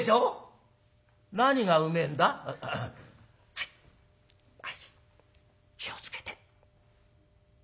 はいはい気を付けて。